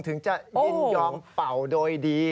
ถึงจะยินยอมเป่าโดยดี